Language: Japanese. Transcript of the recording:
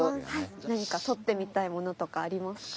何か撮ってみたいものとかありますか？